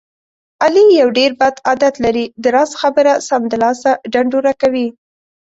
علي یو ډېر بد عادت لري. د راز خبره سمدلاسه ډنډوره کوي.